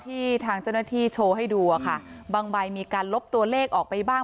ทางเจ้าหน้าที่โชว์ให้ดูอะค่ะบางใบมีการลบตัวเลขออกไปบ้าง